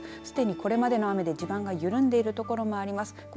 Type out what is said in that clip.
すでにこれまでの雨で地盤が緩んでいる所があります。